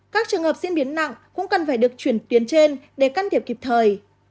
các trường hợp diễn biến nặng cũng cần phải được chuyển tuyến trên để can thiệp kịp thời